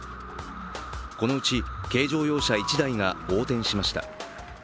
このうち軽乗用車１台が横転しました。